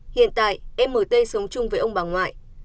hiện tại emt sống chung với ông bà ngoại